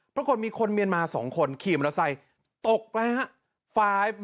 ปรากฏมีคนเมียนมา๒คนขี่มอเตอร์ไซค์ตกไปฮะ